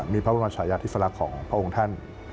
มีพระบุญชยาติทฤษฎาของพระองค์ท่าน